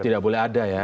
tidak boleh ada ya